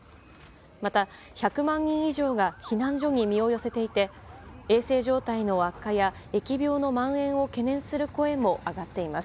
また、１００万人以上が避難所に身を寄せていて衛生状態の悪化や疫病のまん延を懸念する声も上がっています。